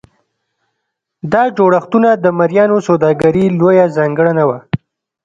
دا جوړښتونه د مریانو سوداګري لویه ځانګړنه وه.